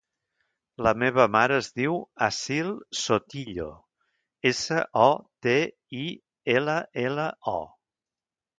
La meva mare es diu Assil Sotillo: essa, o, te, i, ela, ela, o.